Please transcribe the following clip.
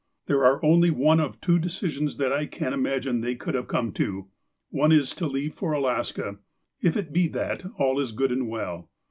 There are only one of two decisions that I can imagine they could have come to. One is, to leave for Alaska. If it be that, all is good and well.